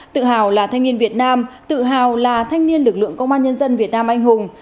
tự hào là thanh niên việt nam tự hào là thanh niên lực lượng công an nhân dân việt nam anh hùng